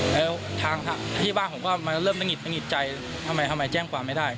แล้วทางที่บ้านผมก็มาเริ่มตะหิดงิดใจทำไมทำไมแจ้งความไม่ได้